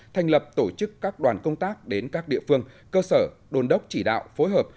thành lập tổ chức các đoàn công tác đến các địa phương cơ sở đồn đốc chỉ đạo phối hợp